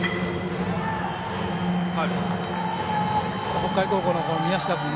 北海高校の宮下君